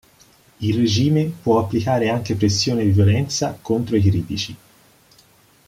Il regime può applicare anche pressione e violenza contro i critici.